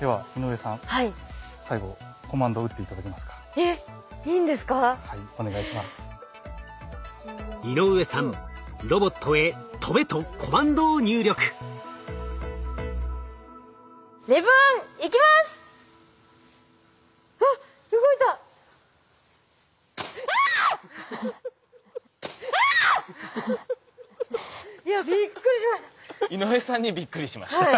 井上さんにびっくりしました。